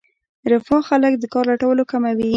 رفاه خلک د کار لټولو کموي.